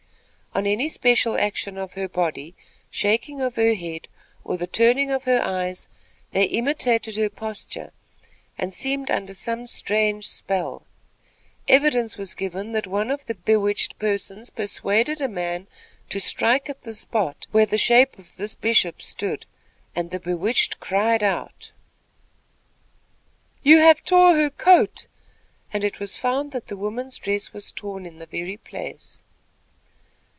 On any special action of her body, shaking of her head, or the turning of her eyes, they imitated her posture and seemed under some strange spell. Evidence was given that one of the bewitched persons persuaded a man to strike at the spot where the "shape of this Bishop stood," and the bewitched cried out: "You have tore her coat," and it was found that the woman's dress was torn in the very place.